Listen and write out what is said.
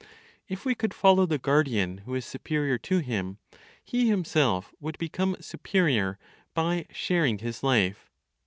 If we could follow the guardian who is superior to him, he himself would become superior by sharing his life.